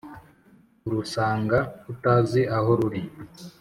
Urusanga utazi aho ruri